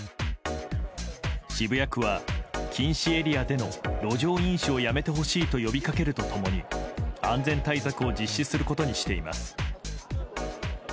渋谷区は、禁止エリアでの路上飲酒をやめてほしいと呼びかけると共に安全対策を実施することにしています。